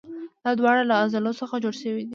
دا دواړه له عضلو څخه جوړ شوي دي.